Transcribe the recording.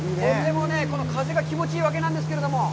風が気持ちいいわけなんですけれども。